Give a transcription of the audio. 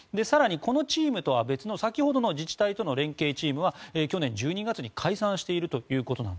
更にこのチームとは別の先ほどの自治体との連携チームは去年１２月に解散していると。